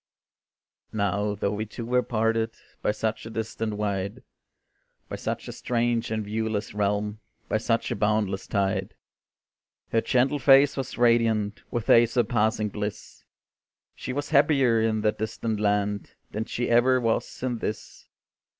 Now, though we two were parted By such a distance wide, By such a strange and viewless realm, By such a boundless tide, Her gentle face was radiant With a surpassing bliss; She was happier in that distant land, Than she ever was in this.